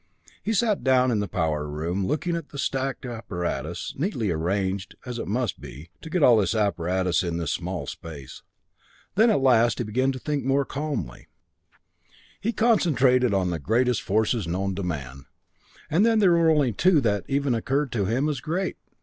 He sat down in the power room, looking at the stacked apparatus, neatly arranged, as it must be, to get all this apparatus in this small space. Then at last he began to think more calmly. He concentrated on the greatest forces known to man and there were only two that even occurred to him as great!